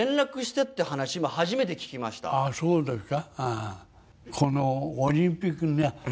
ああそうですか。